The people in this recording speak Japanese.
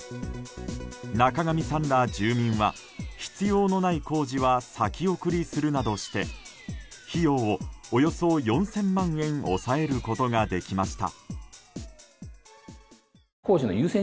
中神さんら住民は必要のない工事は先送りするなどして費用をおよそ４０００万円抑えることができました。